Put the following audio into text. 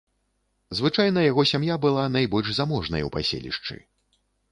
Звычайна яго сям'я была найбольш заможнай у паселішчы.